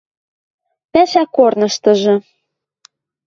— Пӓшӓ корныштыжы.